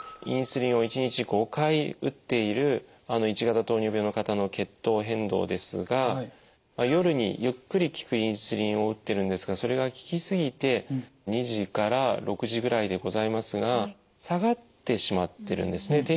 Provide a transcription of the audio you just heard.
インスリンを１日５回打っている１型糖尿病の方の血糖変動ですが夜にゆっくり効くインスリンを打ってるんですがそれが効き過ぎて２時から６時ぐらいでございますが下がってしまってるんですね。